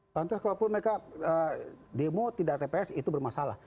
pantes kalau pun mereka demo tidak tps itu bermasalah